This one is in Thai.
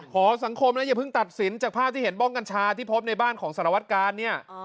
สังคมนะอย่าเพิ่งตัดสินจากภาพที่เห็นบ้องกัญชาที่พบในบ้านของสารวัตกาลเนี่ย